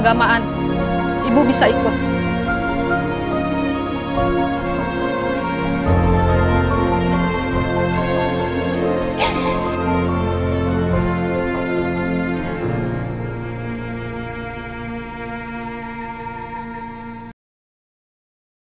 sampai jumpa di video selanjutnya